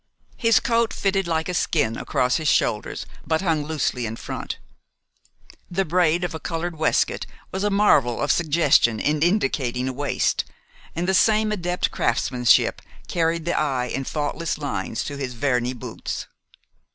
His coat fitted like a skin across his shoulders but hung loosely in front. The braid of a colored waistcoat was a marvel of suggestion in indicating a waist, and the same adept craftsmanship carried the eye in faultless lines to his verni boots.